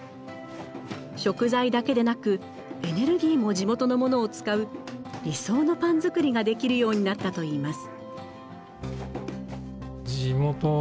食材だけでなくエネルギーも地元のものを使う理想のパン作りができるようになったといいます。